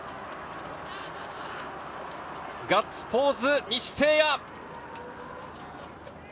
ガッツポーズ、西星哉！